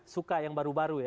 suka yang baru baru ya